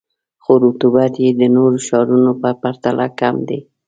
خو رطوبت یې د نورو ښارونو په پرتله کم دی.